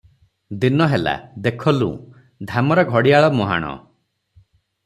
ଦିନ ହେଲା, ଦେଖଲୁଁ, ଧାମରା ଘଡ଼ିଆଳ ମୁହାଣ ।